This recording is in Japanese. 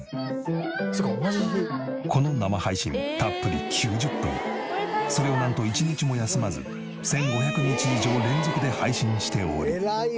この生配信それをなんと１日も休まず１５００日以上連続で配信しており。